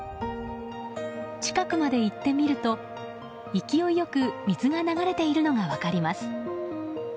近くまで行ってみると勢いよく水が流れているのが分かります。